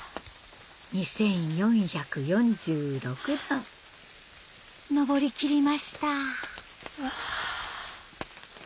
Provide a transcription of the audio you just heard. ２４４６段上り切りましたわぁ。